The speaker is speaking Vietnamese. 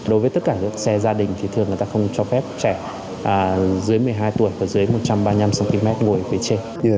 đối với tất cả các xe gia đình thì thường người ta không cho phép trẻ dưới một mươi hai tuổi và dưới một trăm ba mươi năm cm